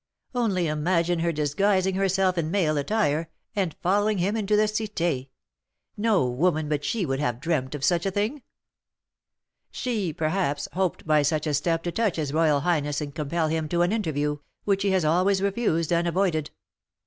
"Only imagine her disguising herself in male attire, and following him into the Cité! No woman but she would have dreamt of such a thing." "She, perhaps, hoped by such a step to touch his royal highness and compel him to an interview, which he has always refused and avoided.